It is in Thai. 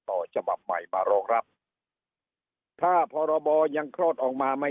ฉบับใหม่มารองรับถ้าพรบยังคลอดออกมาไม่